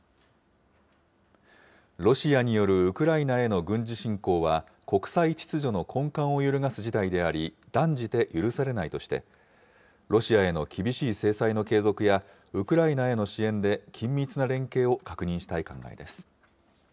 ロシアによるウクライナへの軍事侵攻は、国際秩序の根幹を揺るがす事態であり、断じて許されないとして、ロシアへの厳しい制裁の継続や、ウクライナへの支援で緊密な連携を確認したい考えです。